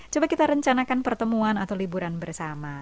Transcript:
coba kita rencanakan pertemuan atau liburan bersama